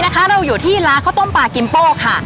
เราอยู่ที่ร้านข้าวต้มปลากิมโป้ค่ะ